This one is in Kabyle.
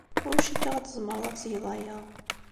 Ur cikkeɣ ad tzemreḍ ad tgeḍ aya.